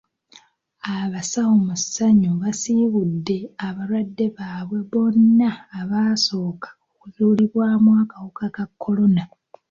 Abasawo mu ssanyu baasiibudde abalwadde baabwe bonna abaasooka okuzuulibwamu akawuka ka kolona.